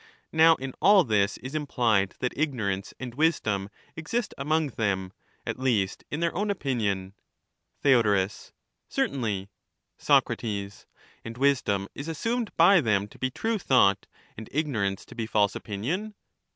Now, in all this is implied that ignorance and wisdom exist among them, at least in their own opinion. Theod, Certainly. Sac, And wisdom is assumed by them to be true thought, and ignorance to be false opinion.